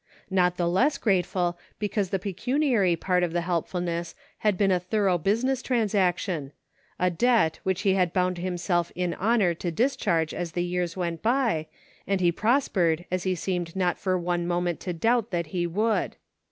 Not the less grate ful because the pecuniary part of the helpfulness had been a thorough business transaction ; a debt which he had bound himself in honor to discharge o as the years went by, and he prospered as he seemed not for one moment to doubt that he would.